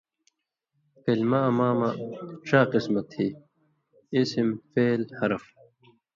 کلمہ امامہ ڇا قسمہ تھی، اسم ، فعل ، حرف